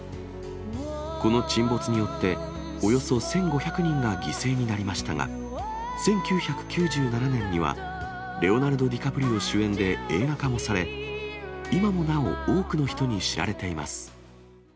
この沈没によって、およそ１５００人が犠牲になりましたが、１９９７年には、レオナルド・ディカプリオ主演で映画化もされ、今もなお、多くの人に知られています。